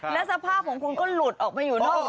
แล้วสภาพของคุณก็หลุดออกไปอยู่นอก